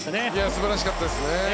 素晴らしかったです。